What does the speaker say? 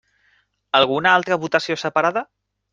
Alguna altra votació separada?